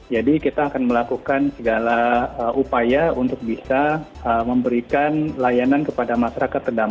jadi kita akan melakukan segala upaya untuk bisa memberikan layanan kepada masyarakat